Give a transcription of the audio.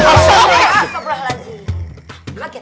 asal berasab lah lagi